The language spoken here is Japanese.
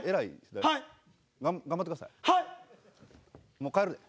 もう帰るで。